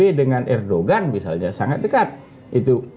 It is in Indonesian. pak sby dengan erdogan bisa saja sangat dekat